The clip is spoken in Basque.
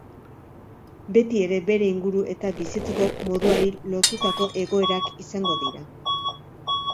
Betiere, bere inguru eta bizitzeko moduari lotutako egoerak izango dira.